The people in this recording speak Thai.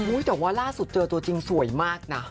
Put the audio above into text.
แต่ว่าล่าสุดเจอตัวจริงสวยมากนะ